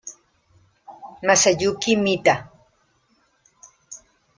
Masayuki Mita